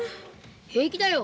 平気だよ。